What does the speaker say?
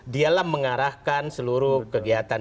dialah mengarahkan seluruh kegiatan